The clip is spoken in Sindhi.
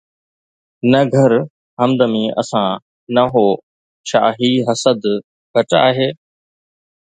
نه گھر حمدمي اسان 'نه هو' ڇا هي حسد گهٽ آهي؟